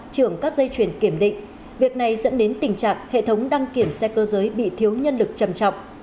trưởng các dây chuyển kiểm định việc này dẫn đến tình trạng hệ thống đăng kiểm xe cơ giới bị thiếu nhân lực trầm trọng